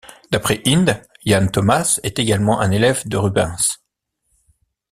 D'après Hind, Jan Thomas est également un élève de Rubens.